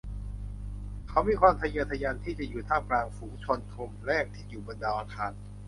เขามีความทะเยอทะยานที่จะอยู่ท่ามกลางฝูงชนกลุ่มแรกที่อยู่บนดาวอังคาร